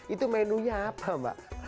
itu menunya apa mbak